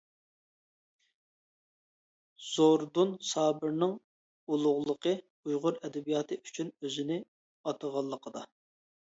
زوردۇن سابىرنىڭ ئۇلۇغلۇقى ئۇيغۇر ئەدەبىياتى ئۈچۈن ئۆزىنى ئاتىغانلىقىدا.